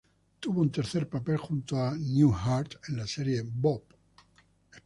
Tuvo un tercer papel junto a Newhart en la serie "Bob".